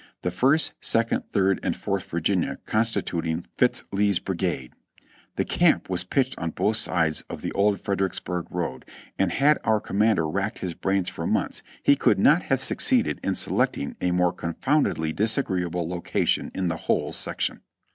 The First, Second, Third and Fourth Virginia constituting Fitz Lee's brigade. The camp was pitched on both sides of the old Fredericksburg road, and had our commander racked his brains for months he could not have succeeded in selecting a more confoundedly dis agreeable location in the whole section.